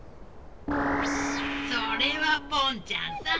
それはポンちゃんさ。